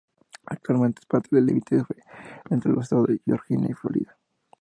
Actualmente es parte del límite entre los estados de Georgia y la Florida.